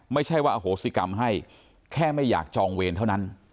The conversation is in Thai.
ไม่ใช่ว่าอโหสิกรรมให้แค่ไม่อยากจองเวรเท่านั้น